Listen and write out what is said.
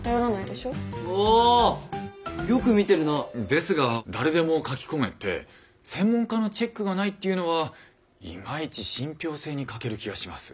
ですが誰でも書き込めて専門家のチェックがないっていうのはいまいち信ぴょう性に欠ける気がします。